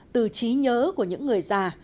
từ trí nhớ của những người già